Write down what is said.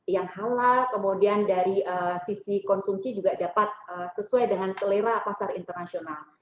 yang halal kemudian dari sisi konsumsi juga dapat sesuai dengan selera pasar internasional